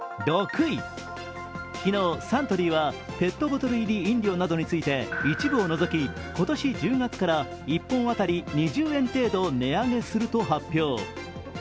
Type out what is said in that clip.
昨日、サントリーはペットボトル入り飲料などについて一部を除き、今年１０月から１本当たり２０円程度値上げすると発表。